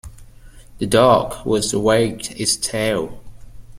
The dog was wagged its tail.